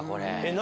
何？